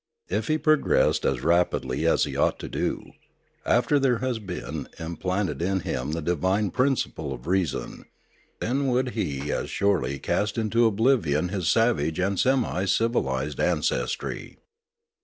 If he progressed as rapidly as he ought to do, after there has been im Death 3$5 planted in him the divine principle of reason, then would he as surely cast into oblivion his savage and semi civilised ancestry.